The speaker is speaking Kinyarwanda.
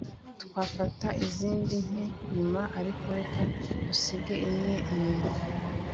Twafata izindi nkeya nyuma ariko reka dusige imwe inyuma